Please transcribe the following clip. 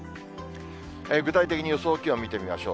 具体的に予想気温見てみましょう。